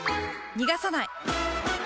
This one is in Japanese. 逃がさない！